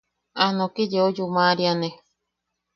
A noki yeu yuMaríane.